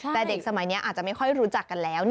แต่เด็กสมัยนี้อาจจะไม่ค่อยรู้จักกันแล้ว